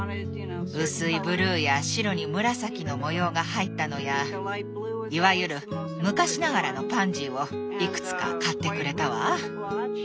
薄いブルーや白に紫の模様が入ったのやいわゆる昔ながらのパンジーをいくつか買ってくれたわ。